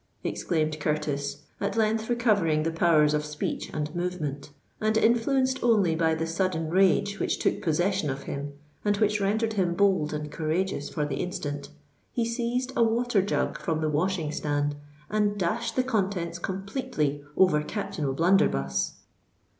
exclaimed Curtis, at length recovering the powers of speech and movement; and, influenced only by the sudden rage which took possession of him, and which rendered him bold and courageous for the instant, he seized a water jug from the washing stand and dashed the contents completely over Captain O'Blunderbuss.